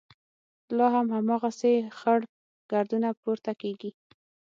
لا هم هماغسې خړ ګردونه پورته کېږي.